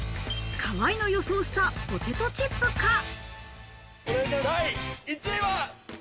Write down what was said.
河合の予想したポテトチップか。